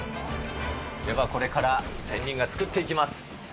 ではこれから仙人が作っていきます。